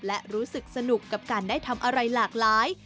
และรู้สึกสนุกกับการได้ทำอะไรหลากหลาย